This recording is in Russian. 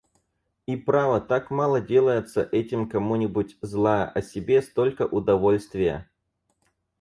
И право, так мало делается этим кому-нибудь зла, а себе столько удовольствия...